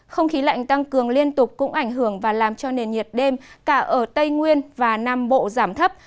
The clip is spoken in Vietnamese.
không khí lạnh tăng cường liên tục cũng ảnh hưởng và làm cho nền nhiệt đêm cả ở tây nguyên và nam bộ giảm thấp